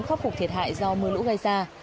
khắc phục thiệt hại do mưa lũ gây ra